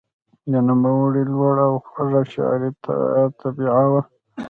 د نوموړي لوړه او خوږه شعري طبعه وه.